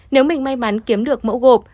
nếu mình may mắn kiếm được mẫu gộp